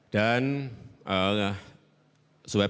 dan supaya pak prabowo juga tahu bahwa kita